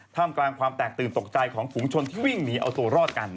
ท่ามกลางความแตกตื่นตกใจของฝุงชนที่วิ่งหนีเอาตัวรอดกัน